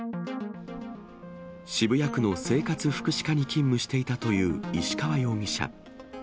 渋谷区の生活福祉課に勤務していたという石川容疑者。